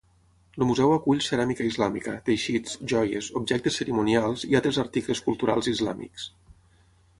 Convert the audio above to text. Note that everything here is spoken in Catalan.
El museu acull ceràmica islàmica, teixits, joies, objectes cerimonials i altres articles culturals islàmics.